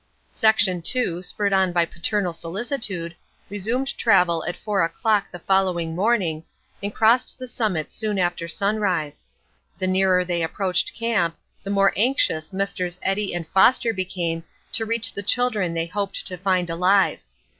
Section Two, spurred on by paternal solicitude, resumed travel at four o'clock the following morning, and crossed the summit soon after sunrise. The nearer they approached camp, the more anxious Messrs. Eddy and Foster became to reach the children they hoped to find alive.